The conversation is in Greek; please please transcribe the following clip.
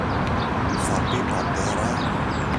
Θα πει, πατέρα